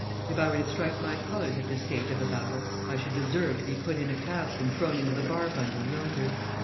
"If I were to strike my colours at this stage of the battle, I should deserve to be put in a cask and thrown into the Barbundle yonder.